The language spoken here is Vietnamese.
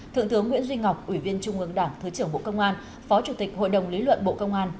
thượng tướng nguyễn duy ngọc ủy viên trung ương đảng thứ trưởng bộ công an phó chủ tịch hội đồng lý luận bộ công an